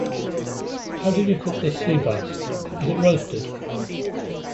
How did you cook this seabass? Is it roasted?